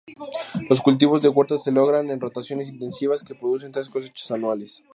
Los cultivos de huerta se logran en rotaciones intensivas que producen tres cosechas anuales.